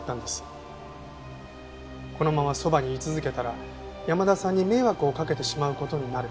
このままそばに居続けたら山田さんに迷惑をかけてしまう事になる。